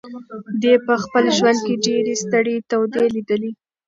دی په خپل ژوند کې ډېرې سړې تودې لیدلي.